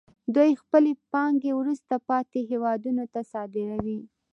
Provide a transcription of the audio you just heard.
دوی خپلې پانګې وروسته پاتې هېوادونو ته صادروي